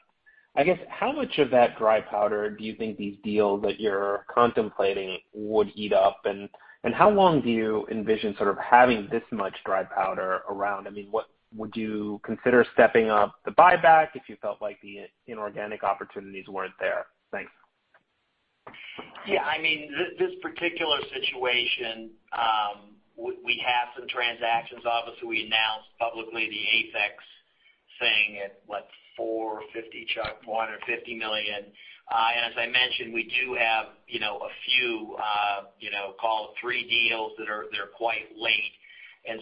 I guess, how much of that dry powder do you think these deals that you're contemplating would eat up? How long do you envision sort of having this much dry powder around? I mean, would you consider stepping up the buyback if you felt like the inorganic opportunities weren't there? Thanks. Yeah, this particular situation, we have some transactions. We announced publicly the AFEX thing at, what, 450, Chuck more han $450 million. As I mentioned, we do have a few, call it three deals that are quite linked.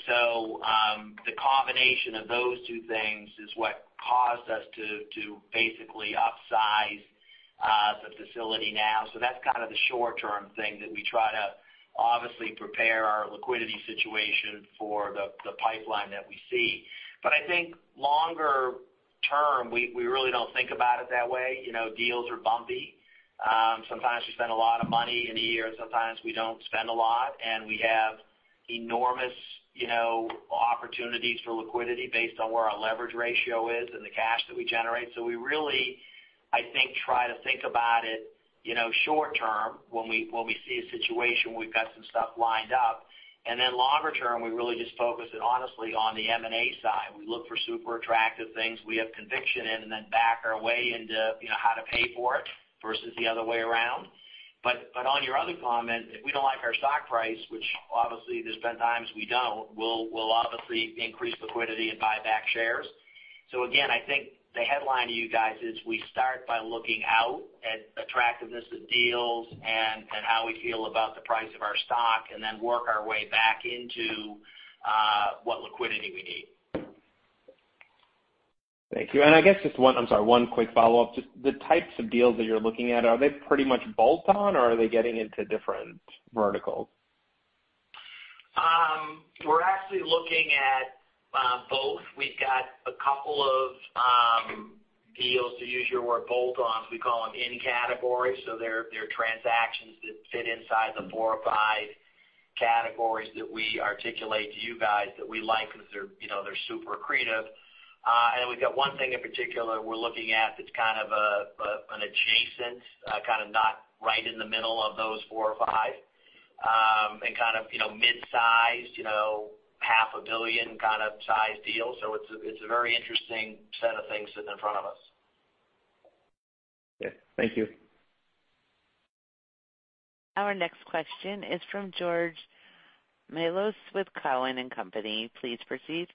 The combination of those two things is what caused us to basically upsize the facility now. That's kind of the short-term thing that we try to obviously prepare our liquidity situation for the pipeline that we see. I think longer term, we really don't think about it that way. Deals are bumpy. Sometimes we spend a lot of money in a year, and sometimes we don't spend a lot, and we have enormous opportunities for liquidity based on where our leverage ratio is and the cash that we generate. We really, I think, try to think about it short term when we see a situation where we've got some stuff lined up. Then longer term, we really just focus it honestly, on the M&A side. We look for super attractive things we have conviction in and then back our way into how to pay for it versus the other way around. On your other comment, if we don't like our stock price, which obviously there's been times we don't, we'll obviously increase liquidity and buy back shares. Again, I think the headline to you guys is we start by looking out at attractiveness of deals and how we feel about the price of our stock and then work our way back into what liquidity we need. Thank you. I guess just one, I'm sorry, one quick follow-up. Just the types of deals that you're looking at, are they pretty much bolt-on, or are they getting into different verticals? We're actually looking at both. We've got a couple of deals, to use your word, bolt-ons. We call them in category. They're transactions that fit inside the four or five categories that we articulate to you guys that we like because they're super accretive. We've got one thing in particular we're looking at that's kind of an adjacent, kind of not right in the middle of those four or five, and kind of mid-sized, half a billion kind of size deal. It's a very interesting set of things sitting in front of us. Okay. Thank you. Our next question is from George Mihalos with Cowen and Company. Please proceed.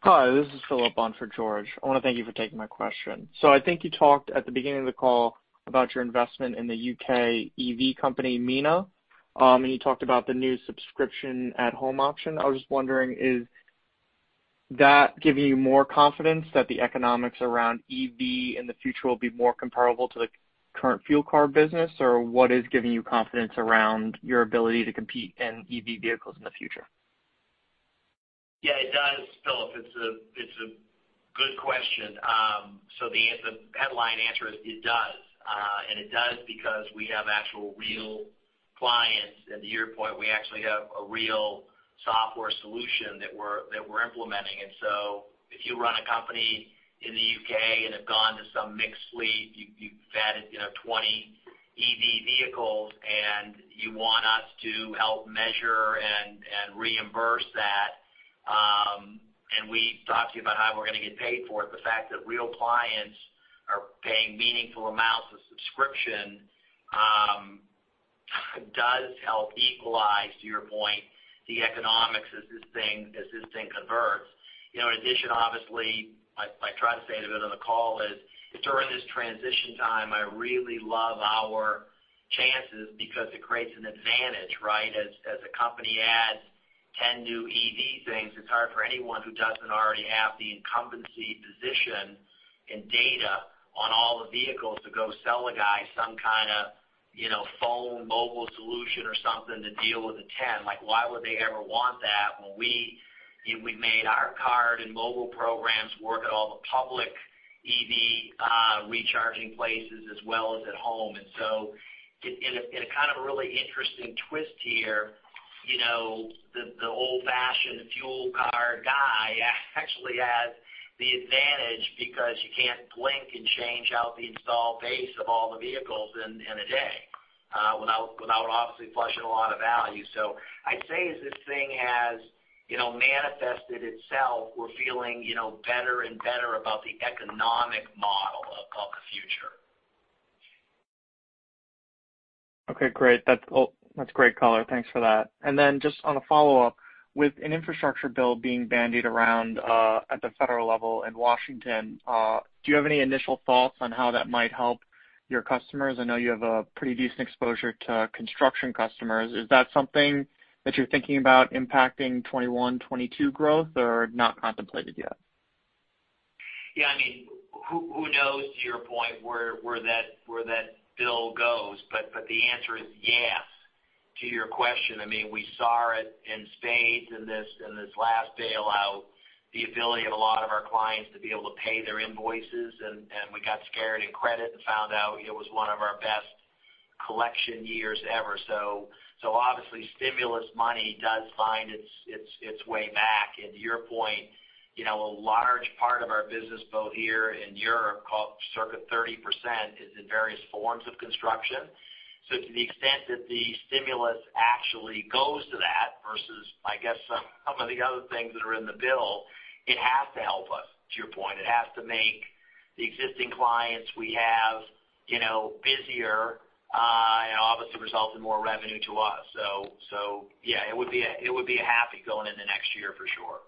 Hi, this is Philip on for George. I want to thank you for taking my question. I think you talked at the beginning of the call about your investment in the U.K. EV company, Mina, and you talked about the new subscription at-home option. I was just wondering, is that giving you more confidence that the economics around EV in the future will be more comparable to the current fuel card business? Or what is giving you confidence around your ability to compete in EV vehicles in the future? Yeah, it does, Philip. It's a good question. The headline answer is, it does. It does because we have actual, real clients, and to your point, we actually have a real software solution that we're implementing. If you run a company in the U.K. and have gone to some mixed fleet, you've added 20 EV vehicles, and you want us to help measure and reimburse that, and we talk to you about how we're going to get paid for it, the fact that real clients are paying meaningful amounts of subscription, does help equalize, to your point, the economics as this thing converts. In addition, obviously, I tried to say it a bit on the call is, during this transition time, I really love our chances because it creates an advantage, right? As a company adds 10 new EV things, it's hard for anyone who doesn't already have the incumbency, position, and data on all the vehicles to go sell a guy some kind of phone mobile solution or something to deal with the 10. Why would they ever want that when we made our card and mobile programs work at all the public EV recharging places as well as at home? In a kind of a really interesting twist here, the old-fashioned fuel card guy actually has the advantage because you can't blink and change out the installed base of all the vehicles in a day, without obviously flushing a lot of value. I'd say as this thing has manifested itself, we're feeling better and better about the economic model of the future. Okay, great. That's great color. Thanks for that. Just on a follow-up, with an infrastructure bill being bandied around at the federal level in Washington, do you have any initial thoughts on how that might help your customers? I know you have a pretty decent exposure to construction customers. Is that something that you're thinking about impacting 2021, 2022 growth, or not contemplated yet? Yeah. Who knows, to your point, where that bill goes, but the answer is yes to your question. We saw it in spades in this last bailout, the ability of a lot of our clients to be able to pay their invoices, and we got scared in credit and found out it was one of our best collection years ever. Obviously stimulus money does find its way back. To your point, a large part of our business, both here and Europe, call it circa 30%, is in various forms of construction. To the extent that the stimulus actually goes to that versus, I guess, some of the other things that are in the bill, it has to help us, to your point. It has to make the existing clients we have busier, and obviously result in more revenue to us. Yeah, it would be a happy going into next year for sure.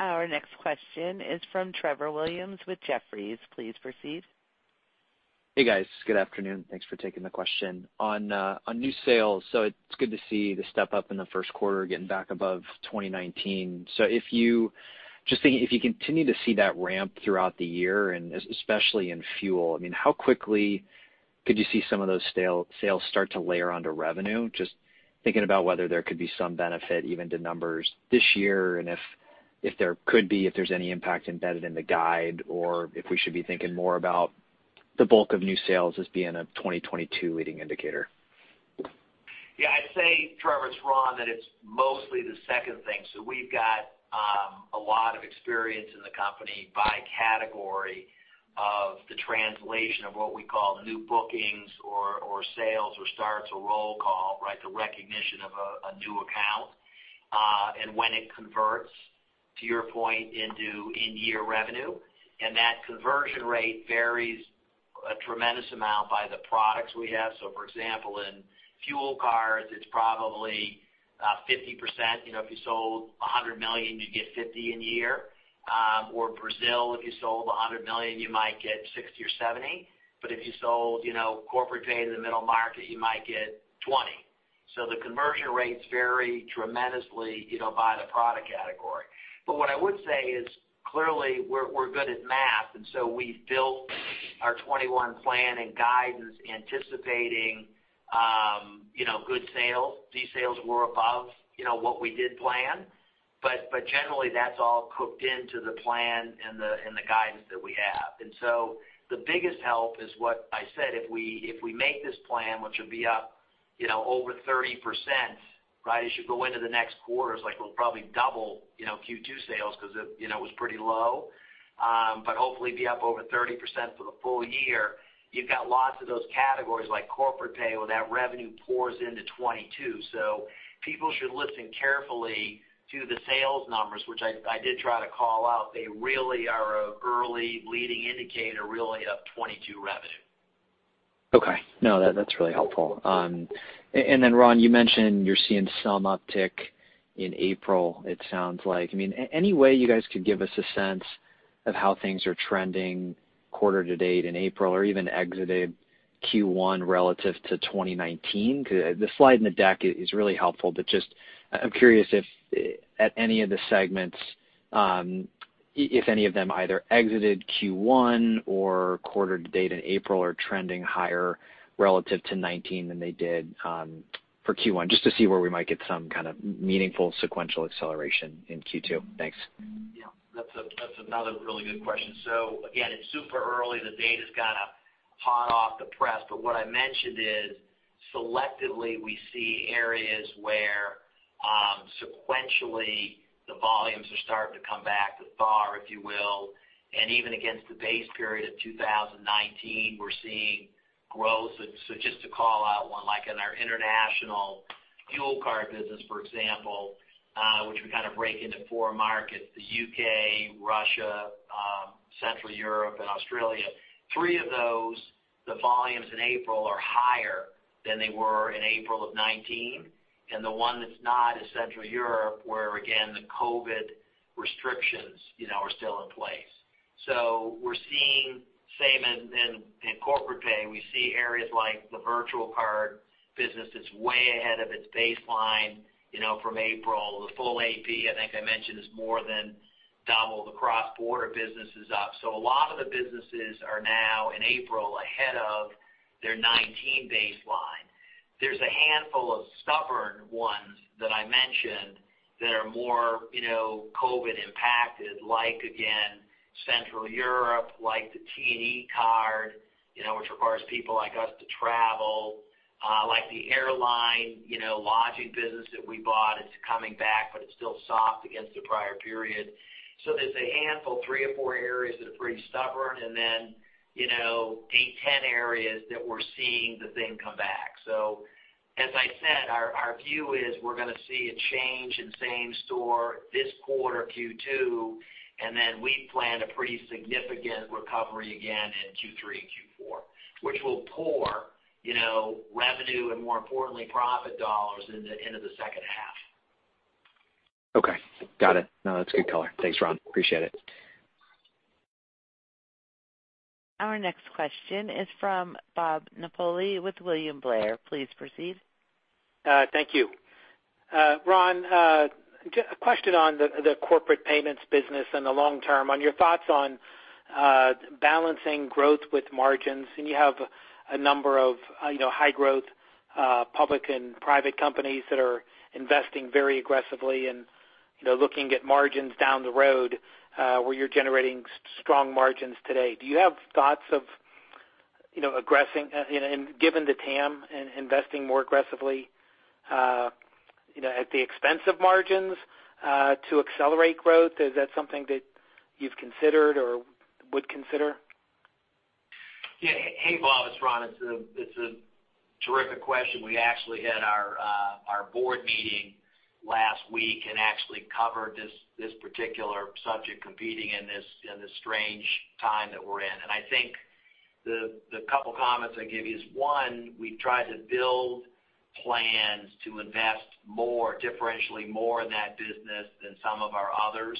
Our next question is from Trevor Williams with Jefferies. Please proceed. Hey, guys. Good afternoon. Thanks for taking the question. On new sales, it's good to see the step-up in the first quarter getting back above 2019. Just thinking, if you continue to see that ramp throughout the year and especially in Fuel, how quickly could you see some of those sales start to layer onto revenue? Just thinking about whether there could be some benefit even to numbers this year, and if there could be, if there's any impact embedded in the guide, or if we should be thinking more about the bulk of new sales as being a 2022 leading indicator. Yeah. I'd say, Trevor, it's Ron, that it's mostly the second thing. We've got a lot of experience in the company by category of the translation of what we call new bookings or sales or starts or roll call, right? The recognition of a new account, and when it converts, to your point, into in-year revenue. That conversion rate varies a tremendous amount by the products we have. For example, in fuel cards, it's probably 50%. If you sold $100 million, you'd get $50 million in a year. Brazil, if you sold $100 million, you might get $60 million or $70 million. If you sold Corpay to the middle market, you might get $20 million. The conversion rates vary tremendously by the product category. What I would say is, clearly, we're good at math, and we've built our 2021 plan and guidance anticipating good sales. These sales were above what we did plan. Generally, that's all cooked into the plan and the guidance that we have. The biggest help is what I said, if we make this plan, which will be up over 30%, right? As you go into the next quarters, we'll probably double Q2 sales because it was pretty low. Hopefully be up over 30% for the full year. You've got lots of those categories like Corpay where that revenue pours into 2022. People should listen carefully to the sales numbers, which I did try to call out. They really are an early leading indicator, really of 2022 revenue. Okay. No, that's really helpful. Ron, you mentioned you're seeing some uptick in April, it sounds like. Any way you guys could give us a sense of how things are trending quarter to date in April or even exited Q1 relative to 2019? The slide in the deck is really helpful, but just I'm curious if at any of the segments, if any of them either exited Q1 or quarter to date in April are trending higher relative to 2019 than they did for Q1, just to see where we might get some kind of meaningful sequential acceleration in Q2. Thanks. Yeah, that's another really good question. Again, it's super early. The data's kind of hot off the press. What I mentioned is selectively we see areas where sequentially the volumes are starting to come back [with bar], if you will, and even against the base period of 2019, we're seeing growth. Just to call out one, like in our international Fuel card business, for example which we kind of break into four markets, the U.K., Russia, Central Europe, and Australia. Three of those, the volumes in April are higher than they were in April of 2019. The one that's not is Central Europe, where again, the COVID restrictions are still in place. We're seeing same in Corpay. We see areas like the virtual card business that's way ahead of its baseline from April. The Full AP, I think I mentioned, is more than double. The cross-border business is up. A lot of the businesses are now in April ahead of their 2019 baseline. There's a handful of stubborn ones that I mentioned that are more COVID-impacted, like again, Central Europe, like the T&E card which requires people like us to travel. The airline lodging business that we bought, it's coming back, but it's still soft against the prior period. There's a handful, three or four areas that are pretty stubborn, and then eight, 10 areas that we're seeing the thing come back. As I said, our view is we're going to see a change in same store this quarter, Q2, and then we plan a pretty significant recovery again in Q3 and Q4. Which will pour revenue and more importantly profit dollars into the second half. Okay. Got it. That's a good color. Thanks, Ron. Appreciate it. Our next question is from Bob Napoli with William Blair. Please proceed. Thank you. Ron, a question on the corporate payments business and the long term on your thoughts on balancing growth with margins. You have a number of high growth public and private companies that are investing very aggressively and looking at margins down the road where you're generating strong margins today. Do you have thoughts of aggressing and given the TAM and investing more aggressively at the expense of margins to accelerate growth? Is that something that you've considered or would consider? Yeah. Hey, Bob, it's Ron. It's a terrific question. We actually had our board meeting last week and actually covered this particular subject competing in this strange time that we're in. I think the couple of comments I give you is one, we try to build plans to invest more differentially more in that business than some of our others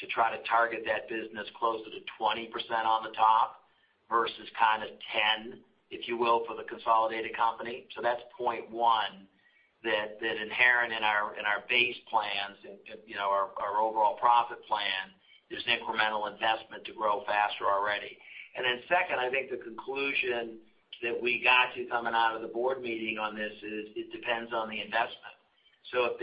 to try to target that business closer to 20% on the top versus kind of 10%, if you will, for the consolidated company. That's point one that inherent in our base plans, our overall profit plan is incremental investment to grow faster already. Second, I think the conclusion that we got to coming out of the board meeting on this is it depends on the investment. If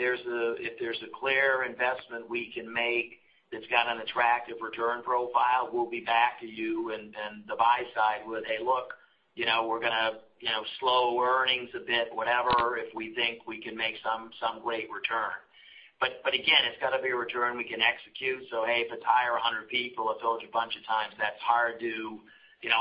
there's a clear investment we can make that's got an attractive return profile, we'll be back to you and the buy side with, "Hey look, we're going to slow earnings a bit," whatever, if we think we can make some great return. Again, it's got to be a return we can execute. Hey, if it's hire 100 people, I've told you a bunch of times that's hard to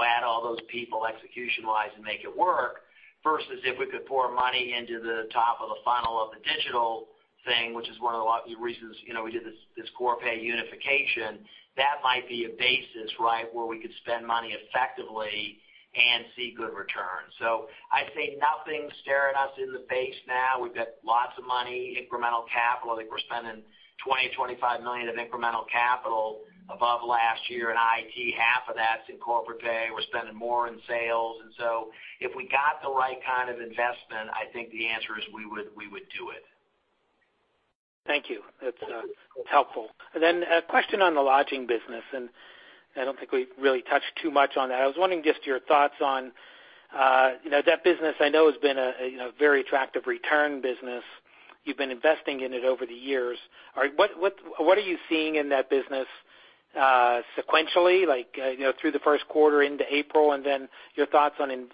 add all those people execution-wise and make it work. Versus if we could pour money into the top of the funnel of the digital thing, which is one of the reasons we did this Corpay unification. That might be a basis where we could spend money effectively and see good returns. I see nothing staring us in the face now. We've got lots of money, incremental capital. I think we're spending $20 million, $25 million of incremental capital above last year in IT. Half of that's in Corpay. We're spending more in sales. If we got the right kind of investment, I think the answer is we would do it. Thank you. That's helpful. A question on the lodging business, I don't think we really touched too much on that. I was wondering just your thoughts on that business I know has been a very attractive return business. You've been investing in it over the years. What are you seeing in that business sequentially, through the first quarter into April, your thoughts on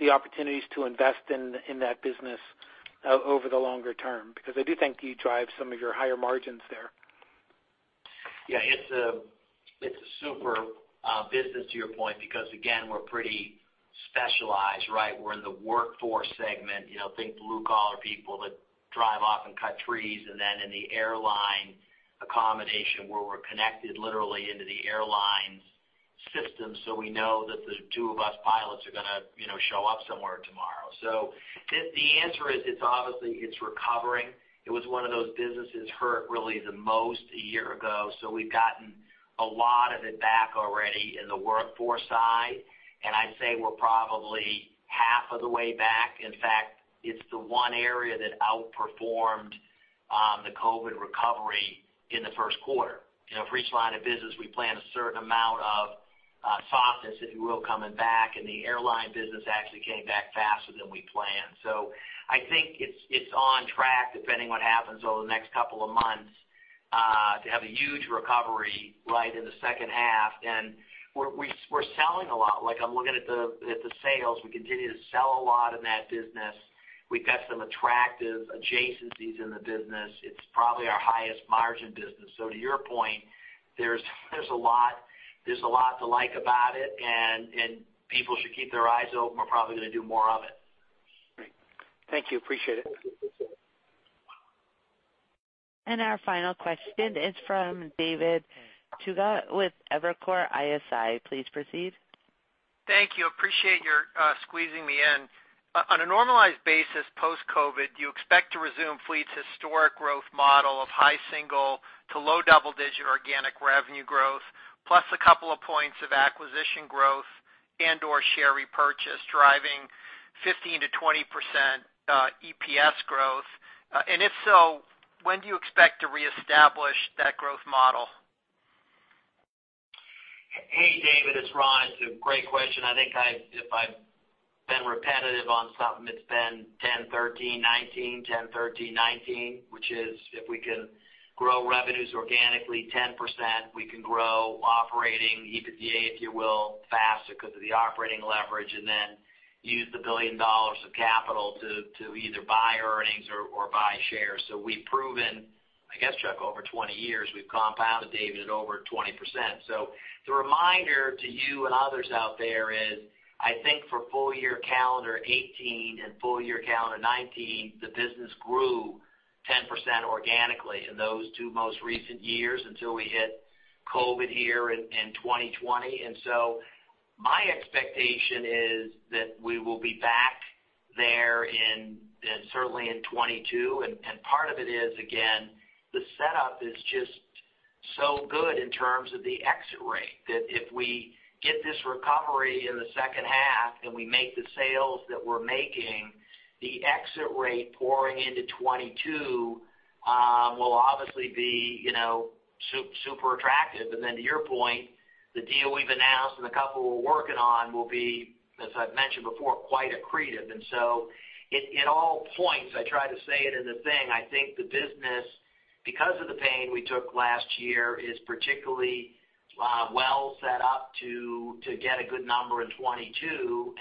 the opportunities to invest in that business over the longer term, because I do think you drive some of your higher margins there? It's a super business, to your point, because again, we're pretty specialized, right? We're in the workforce segment. Think blue collar people that drive off and cut trees, and then in the airline accommodation where we're connected literally into the airlines' systems, so we know that the two of us pilots are going to show up somewhere tomorrow. The answer is, it's obviously recovering. It was one of those businesses hurt really the most a year ago, so we've gotten a lot of it back already in the workforce side, and I'd say we're probably half of the way back. In fact, it's the one area that outperformed the COVID recovery in the first quarter. For each line of business, we plan a certain amount of softness, if you will, coming back, the airline business actually came back faster than we planned. I think it's on track, depending what happens over the next couple of months, to have a huge recovery in the second half. We're selling a lot. I'm looking at the sales. We continue to sell a lot in that business. We've got some attractive adjacencies in the business. It's probably our highest margin business. To your point, there's a lot to like about it, and people should keep their eyes open. We're probably going to do more of it. Great. Thank you. Appreciate it. Our final question is from David Togut with Evercore ISI. Please proceed. Thank you. Appreciate your squeezing me in. On a normalized basis post-COVID, do you expect to resume Fleet's historic growth model of high single to low double-digit organic revenue growth, plus a couple of points of acquisition growth and/or share repurchase driving 15%-20% EPS growth? If so, when do you expect to reestablish that growth model? Hey, David, it's Ron. It's a great question. I think if I've been repetitive on something, it's been 10/13/19, 10/13/19, which is if we can grow revenues organically 10%, we can grow operating EBITDA, if you will, faster because of the operating leverage. Then use the billion dollars of capital to either buy earnings or buy shares. We've proven, I guess, Charles, over 20 years, we've compounded, David, at over 20%. The reminder to you and others out there is, I think for full year calendar 2018 and full year calendar 2019, the business grew 10% organically in those two most recent years until we hit COVID here in 2020. My expectation is that we will be back there certainly in 2022. Part of it is, again, the setup is just so good in terms of the exit rate. That if we get this recovery in the second half and we make the sales that we're making, the exit rate pouring into 2022 will obviously be super attractive. To your point, the deal we've announced and the couple we're working on will be, as I've mentioned before, quite accretive. It all points, I try to say it in the thing, I think the business, because of the pain we took last year, is particularly well set up to get a good number in 2022.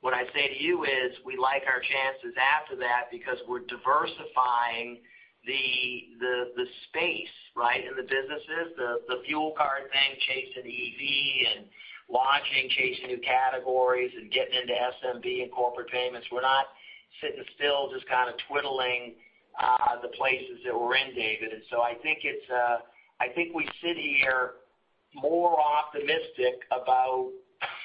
What I'd say to you is we like our chances after that because we're diversifying the space in the businesses. The fuel card thing, chasing EV and launching, chasing new categories, and getting into SMB and corporate payments. We're not sitting still just kind of twiddling the places that we're in, David. I think we sit here more optimistic about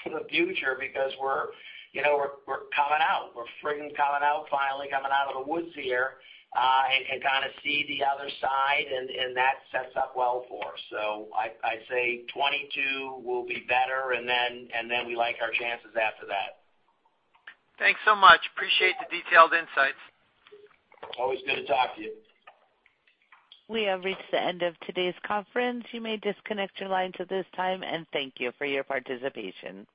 the future because we're coming out. We're freaking coming out, finally coming out of the woods here, and kind of see the other side, and that sets up well for us. I'd say 2022 will be better, and then we like our chances after that. Thanks so much. Appreciate the detailed insights. Always good to talk to you. We have reached the end of today's conference. You may disconnect your line at this time, and thank you for your participation.